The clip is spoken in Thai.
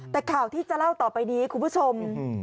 แต่ข่าวที่จะเล่าต่อไปนี้คุณผู้ชม